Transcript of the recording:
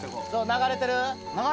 流れてる？